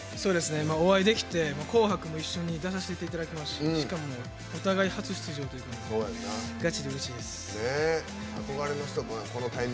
お会いできて「紅白」も出させていただきましてしかも、お互い初出場ということでガチでうれしいです。